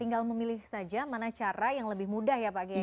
tinggal memilih saja mana cara yang lebih mudah ya pak kiai